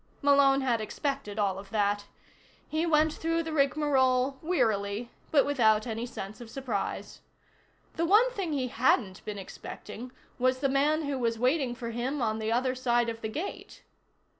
Malone had expected all of that. He went through the rigmarole wearily but without any sense of surprise. The one thing he hadn't been expecting was the man who was waiting for him on the other side of the gate.